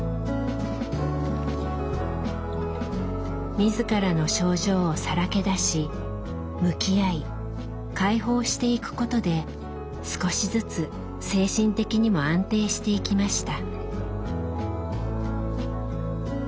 自らの症状をさらけ出し向き合い開放していくことで少しずつ精神的にも安定していきました。